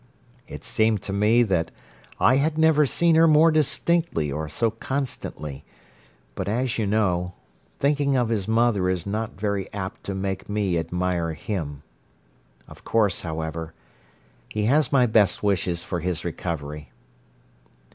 It seemed to me that I had never seen her more distinctly or so constantly, but, as you know, thinking of his mother is not very apt to make me admire him! Of course, however, he has my best wishes for his recovery.